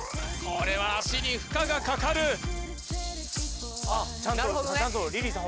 これは足に負荷がかかるなるほどねちゃんとりりぃさん